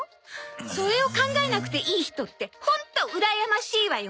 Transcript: それを考えなくていい人ってホントうらやましいわよ